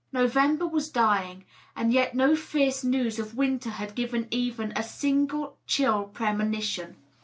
November was dying, and yet no fierce news of winter had given even a single chill premonition.